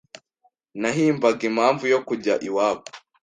Nahimbaga impamvu yo kujya iwabo,